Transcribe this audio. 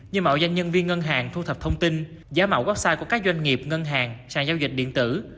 như mạo danh nhân viên ngân hàng thu thập thông tin giá mạo website của các doanh nghiệp ngân hàng sàn giao dịch điện tử